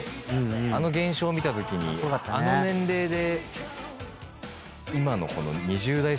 あの現象を見たときにあの年齢で。